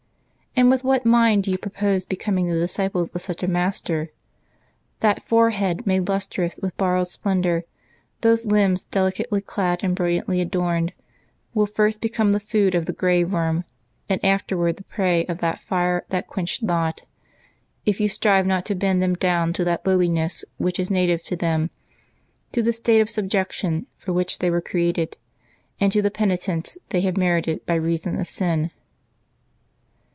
And with what mind do you propose becoming the disciples of such a Master ? That forehead made lustrous with bor rowed splendor, those limbs delicately clad and brilliantly adorned, will first become the food of the grave worm, and afterward the prey of that fire that quencheth not, if you strive not to bend them down to that lowliness which is native to them, to the state of subjection for which they were created, and to the penitence they have merited by reason of sin.'